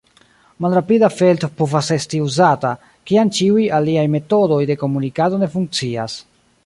Malrapida feld povas esti uzata, kiam ĉiuj aliaj metodoj de komunikado ne funkcias.